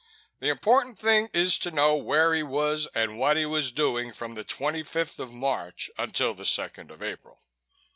The important thing is to know where he was and what he was doing from the twenty fifth of March until the second of April."